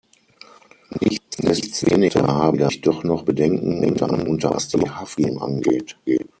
Nichtsdestoweniger habe ich doch noch Bedenken, unter anderem was die Haftung angeht.